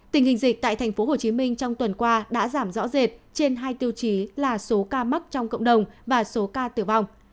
tình hình dịch tại tp hcm trong tuần qua đã giảm rõ rệt trên hai tiêu chí là số ca mắc trong cộng đồng và số ca tử vong